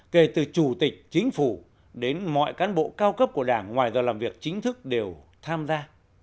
kể từ chủ tịch chính phủ đến mọi cán bộ cao cấp của đảng ngoài giờ làm việc chính thức đều tham gia